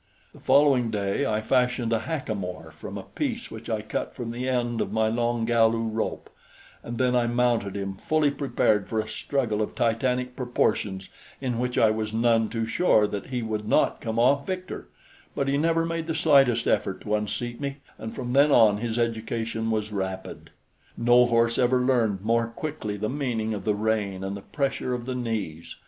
The following day I fashioned a hackamore from a piece which I cut from the end of my long Galu rope, and then I mounted him fully prepared for a struggle of titanic proportions in which I was none too sure that he would not come off victor; but he never made the slightest effort to unseat me, and from then on his education was rapid. No horse ever learned more quickly the meaning of the rein and the pressure of the knees.